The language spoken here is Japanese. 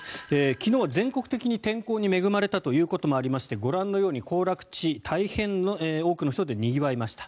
昨日は全国的に天候に恵まれたということもありましてご覧のように行楽地大変多くの人でにぎわいました。